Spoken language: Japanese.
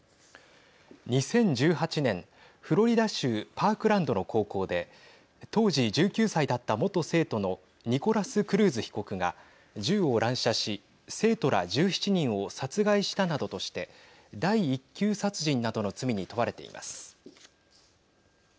２０１８年フロリダ州パークランドの高校で当時１９歳だった元生徒のニコラス・クルーズ被告が銃を乱射し生徒ら１７人を殺害したなどとして第１級殺人などの罪に問われています。